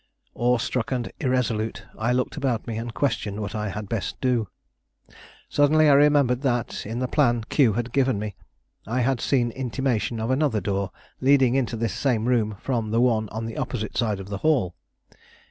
Awe struck and irresolute, I looked about me and questioned what I had best do. Suddenly I remembered that, in the plan Q had given me, I had seen intimation of another door leading into this same room from the one on the opposite side of the hall.